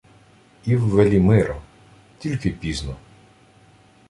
— І в Велімира... Тільки пізно...